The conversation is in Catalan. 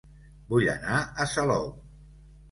Vull anar a Salou